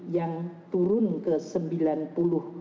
yang turun ke rp sembilan puluh